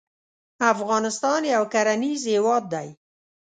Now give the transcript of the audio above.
افغانستان یو کرنیز هیواد دی